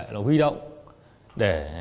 là huy động để